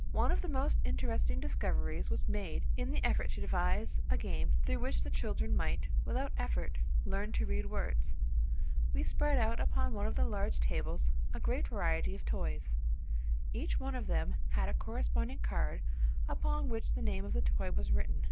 One of our most interesting discoveries was made in the effort to devise a game through which the children might, without effort, learn to read words. We spread out upon one of the large tables a great variety of toys. Each one of them had a corresponding card upon which the name of the toy was written.